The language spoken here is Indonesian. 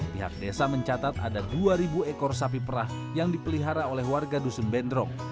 pihak desa mencatat ada dua ekor sapi perah yang dipelihara oleh warga dusun bendrom